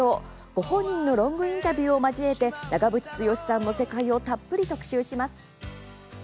ご本人のロングインタビューを交えて長渕剛さんの世界をたっぷり特集します。